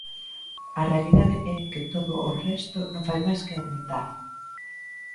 A realidade é que todo o resto non fai máis que aumentar.